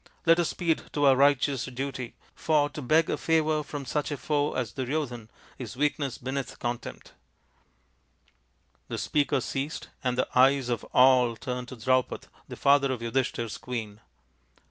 Let us speed to our righteous duty, for to beg a favour from such a foe as Duryodhan is weakness beneath contempt." The speaker ceased, and the eyes of all turned to ioo THE INDIAN STORY BOOK Draupad, the father of Yudhishthir's queen.